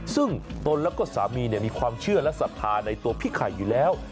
ซึ่งตนและก็สามีมีความเชื่อซะท้าในผิกไข่อยู่แล้ว